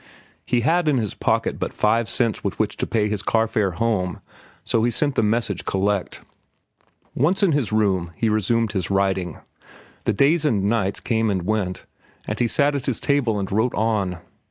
He had in his pocket but five cents with which to pay his carfare home, so he sent the message collect. Once in his room, he resumed his writing. The days and nights came and went, and he sat at his table and wrote on.